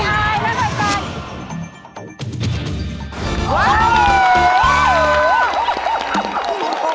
อย่าให้อายนะครับค่ะ